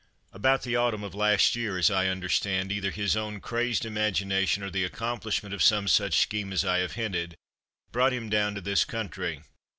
"About the autumn of last year, as I understand, either his own crazed imagination, or the accomplishment of some such scheme as I have hinted, brought him down to this country.